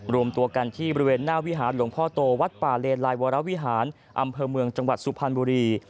รวมตัวกันที่บริเวณหน้าวิหารหลวงพ่อโตวัดป่าเลนลายวรวิหารอำเภอเมืองจังหวัดสุพรรณบุรี